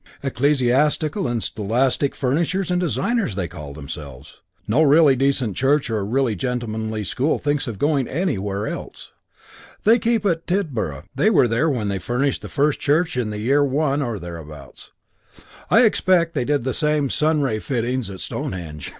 'Ecclesiastical and Scholastic Furnishers and Designers' they call themselves. And they're IT. No really decent church or really gentlemanly school thinks of going anywhere else. They keep at Tidborough because they were there when they furnished the first church in the year One or thereabouts. I expect they did the sun ray fittings at Stonehenge.